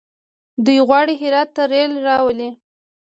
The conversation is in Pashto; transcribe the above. دوی غواړي هرات ته ریل راولي.